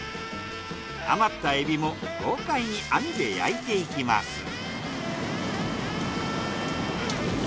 余ったエビも豪快に網で焼いていきます。